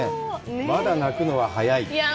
まだ泣くのは早い。